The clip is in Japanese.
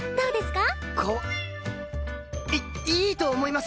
かわいいいと思います！